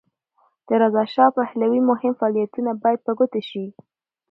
د رضاشاه پهلوي مهم فعالیتونه باید په ګوته شي.